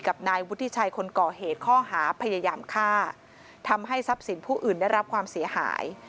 กับนายวุฒิชัยคนก่อเหตุข้อหาพยายามฆ่าทำให้ทรัพย์สินผู้อื่นได้รับความเสียหาย